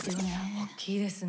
おっきいですね。